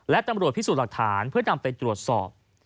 และตำรวจพิสูจน์หลักฐานเพื่อนำไปตรวจสอบ